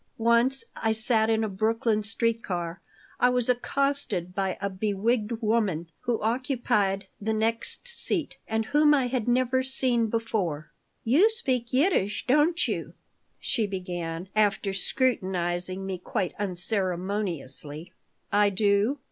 Once, as I sat in a Brooklyn street car, I was accosted by a bewigged woman who occupied the next seat and whom I had never seen before "You speak Yiddish, don't you?" she began, after scrutinizing me quite unceremoniously "I do.